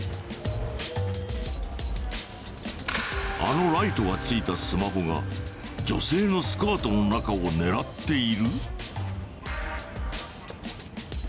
あのライトがついたスマホが女性のスカートの中を狙っている？